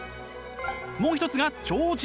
もう一つが超人。